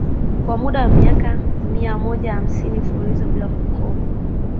Kwa muda wa miaka mia moja hamsini mfululizo bila kukoma